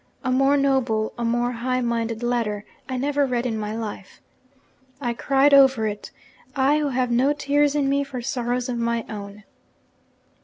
A more noble, a more high minded letter, I never read in my life. I cried over it I who have no tears in me for sorrows of my own!